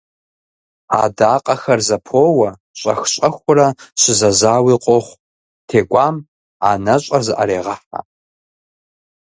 Адакъэхэр зэпоуэ, щӀэх-щӀэхыурэ щызэзауи къохъу, текӀуам анэщӀэр зыӀэрегъэхьэ.